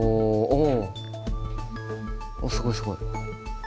おっすごいすごい！